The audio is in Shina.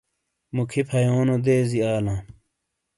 موکھی فھیونو دیزی آلا